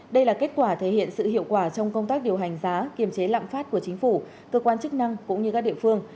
đây là kết quả thể hiện sự hiệu quả trong công tác điều hành giá kiềm chế lạm phát của chính phủ cơ quan chức năng cũng như các địa phương